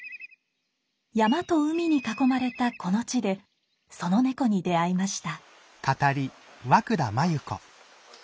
山と海に囲まれたこの地でその猫に出会いました。